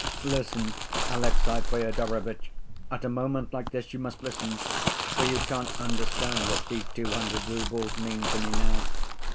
Listen, Alexey Fyodorovitch, at a moment like this you must listen, for you can't understand what these two hundred roubles mean to me now."